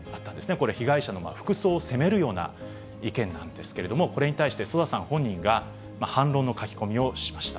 これ、被害者の服装を責めるような意見なんですけれども、これについてソダさん本人が反論の書き込みをしました。